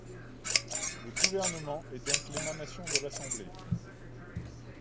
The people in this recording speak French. Le gouvernement est donc l'émanation de l'Assemblée.